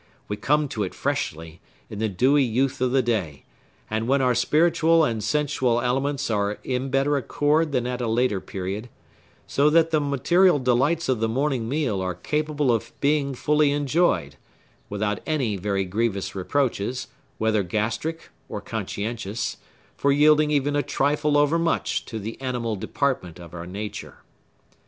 We come to it freshly, in the dewy youth of the day, and when our spiritual and sensual elements are in better accord than at a later period; so that the material delights of the morning meal are capable of being fully enjoyed, without any very grievous reproaches, whether gastric or conscientious, for yielding even a trifle overmuch to the animal department of our nature.